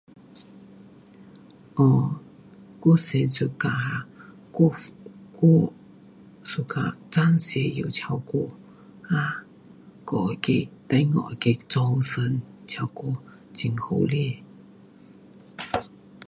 um 我很 suka [unintelligible] 去中国。很好嘞。